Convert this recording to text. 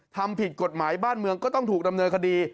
ทำผิดกฎหมายบ้านเมืองก็ต้องถูกดำเนินคดี